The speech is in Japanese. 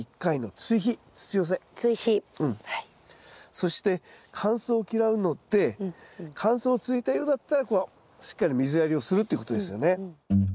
そして乾燥を嫌うので乾燥続いたようだったらこうしっかり水やりをするっていうことですよね。